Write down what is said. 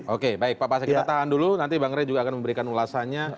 oke baik pak pasek kita tahan dulu nanti bang rey juga akan memberikan ulasannya